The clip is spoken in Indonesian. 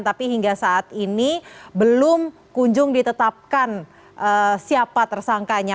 tapi hingga saat ini belum kunjung ditetapkan siapa tersangkanya